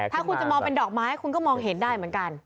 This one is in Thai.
ถ้าคุณจะมองเป็นดอกไม้คุณก็มองเห็นได้เหมือนกัน